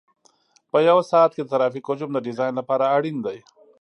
په یو ساعت کې د ترافیک حجم د ډیزاین لپاره اړین دی